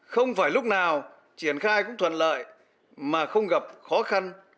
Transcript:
không phải lúc nào triển khai cũng thuận lợi mà không gặp khó khăn